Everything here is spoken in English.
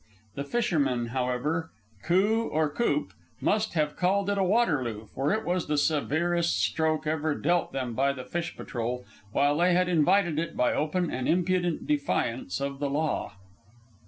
The fishermen, however, coup or coop, must have called it a Waterloo, for it was the severest stroke ever dealt them by the fish patrol, while they had invited it by open and impudent defiance of the law.